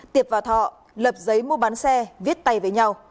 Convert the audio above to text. tiệp và thọ lập giấy mua bán xe viết tay với nhau